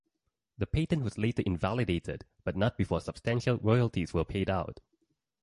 The patent was later invalidated, but not before substantial royalties were paid out.